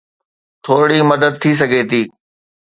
ٿورڙي مدد ٿي سگهي ٿي